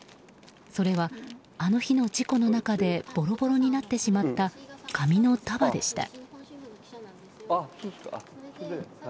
それは、あの日の事故の中でボロボロになってしまった紙の束でした。